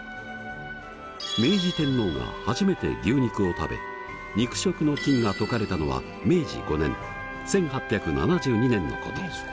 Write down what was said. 明治天皇が初めて牛肉を食べ肉食の禁が解かれたのは明治５年１８７２年のこと。